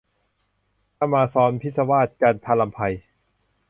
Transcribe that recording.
อะมาซ็อนพิศวาส - จันทรำไพ